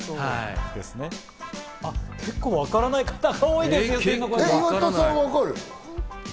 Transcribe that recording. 結構わからない方が多いですね。